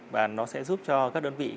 và nó sẽ giúp cho các đơn vị